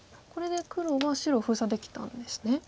これで黒は白を封鎖できたんですね。